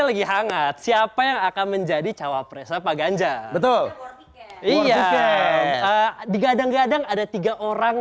sedikit hangat siapa yang akan menjadi cawapresnya paganjar betul iya watch diganjang ada tiga orang